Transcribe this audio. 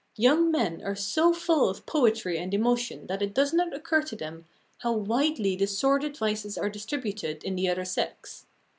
Young men are so full of poetry and emotion that it does not occur to them how widely the sordid vices are distributed in the other sex.